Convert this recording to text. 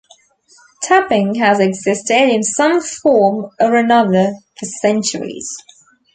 Tapping has existed in some form or another for centuries.